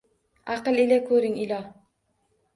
Аql ila koʼring, illo.